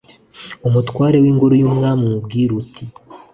umutware w’ingoro y’umwami, umubwire uti